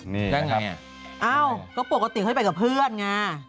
นี่นะครับอ้าวก็ปกติเขาได้ไปกับเพื่อนไง